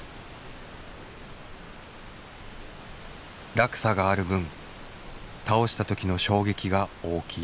落差がある分倒した時の衝撃が大きい。